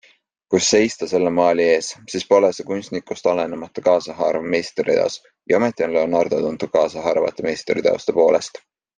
Kui seista selle maali ees, siis pole see kunstnikust olenemata kaasahaarav meistriteos, ja ometi on Leonardo tuntud kaasahaaravate meistriteoste poolest.